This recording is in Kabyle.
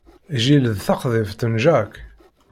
Jill d taxḍibt n Jack.